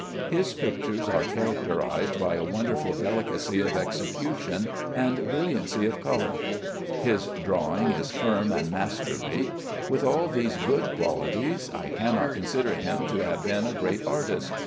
His pictures are characterized by a wonderful delicacy of execution and brilliancy of color. His drawing is firm and masterly. With all these good qualities I cannot consider him to have been a great artist.